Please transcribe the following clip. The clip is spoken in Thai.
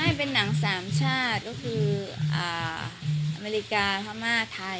ไม่เป็นหนังสามชาติก็คืออ่าอเมริกาภามากไทย